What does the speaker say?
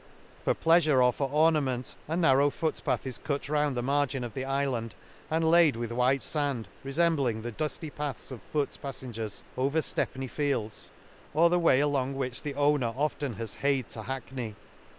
^For pleafure, or for ornament, a narrow foot path is cut round the mar?: gin of the ifland, and laid with white fand,. refembling the dully paths of foot paf fengers over Stepney fields, or the way along which the owner often has heyed to Hackney.